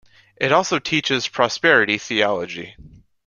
It also teaches prosperity theology.